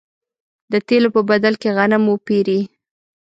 د تېلو په بدل کې غنم وپېري.